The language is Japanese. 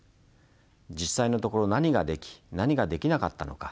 実際のところ何ができ何ができなかったのか。